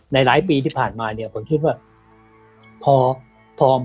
หลายปีที่ผ่านมาเนี่ยผมคิดว่าพอพอ